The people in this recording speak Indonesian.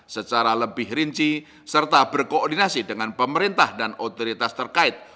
secara lebih rinci serta berkoordinasi dengan pemerintah dan otoritas terkait